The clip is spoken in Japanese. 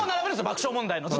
爆笑問題の。